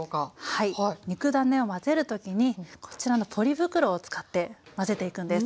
はい肉ダネを混ぜる時にこちらのポリ袋を使って混ぜていくんです。